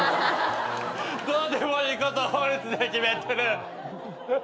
どうでもいいこと法律で決めてる！